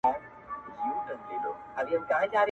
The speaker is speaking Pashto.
سپیني سپوږمۍ حال راته وایه-